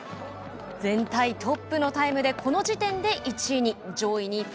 全体トップのタイムでこの時点で１位に。